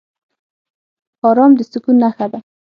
ارام د سکون نښه ده.